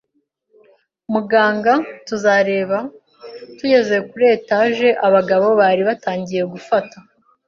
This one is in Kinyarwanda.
muganga, “tuzareba.” Tugeze kuri etage, abagabo bari batangiye gufata